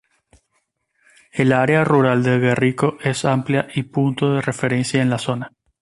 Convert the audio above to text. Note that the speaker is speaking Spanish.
El área rural de Guerrico es amplia y punto de referencia en la zona.